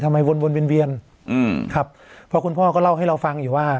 วนวนเวียนอืมครับเพราะคุณพ่อก็เล่าให้เราฟังอยู่ว่า